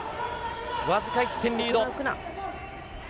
わずか１点リード。